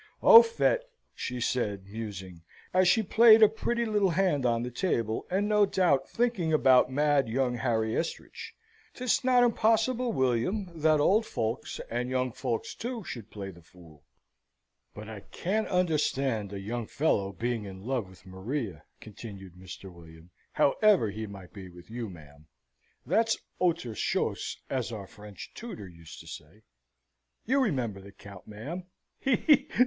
"Au fait," she said, musing, as she played a pretty little hand on the table, and no doubt thinking about mad young Harry Estridge; 'tis not impossible, William, that old folks, and young folks, too, should play the fool." "But I can't understand a young fellow being in love with Maria," continued Mr. William, "however he might be with you, ma'am. That's oter shose, as our French tutor used to say. You remember the Count, ma'am; he! he!